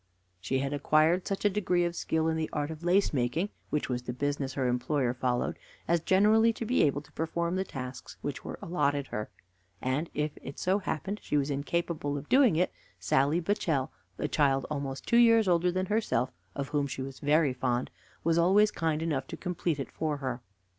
She had acquired such a degree of skill in the art of lacemaking (which was the business her employer followed) as generally to be able to perform the tasks which were allotted her; and if it so happened she was incapable of doing it, Sally Butchell, a child almost two years older than herself, of whom she was very fond, was always kind enough to complete it for her.